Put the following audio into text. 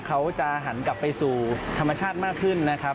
เขาจะหันกลับไปสู่ธรรมชาติมากขึ้นนะครับ